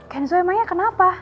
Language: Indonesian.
kenzo emangnya kenapa